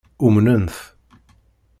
Umnen-t.